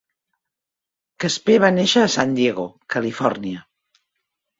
Casper va néixer a San Diego, Califòrnia.